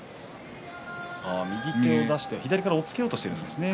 右手を出して左から押っつけようとしているんですね。